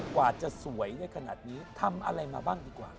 กว่าจะสวยได้ขนาดนี้ทำอะไรมาบ้างดีกว่า